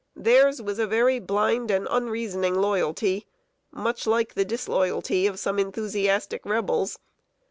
Theirs was a very blind and unreasoning loyalty, much like the disloyalty of some enthusiastic Rebels.